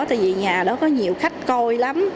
tại vì nhà đó có nhiều khách coi lắm